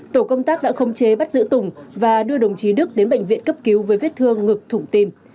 tổ công tác đã không chế bắt giữ tùng và đưa đồng chí đức đến bệnh viện cấp cứu với vết thương ngực thủng tim